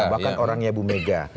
bahkan orangnya bumega